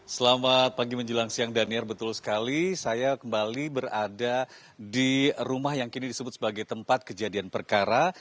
selamat pagi menjelang siang daniel betul sekali saya kembali berada di rumah yang kini disebut sebagai tempat kejadian perkara